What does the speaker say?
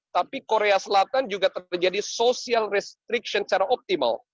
tapi korea selatan juga terjadi social restriction secara optimal